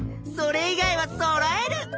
それ以外はそろえる！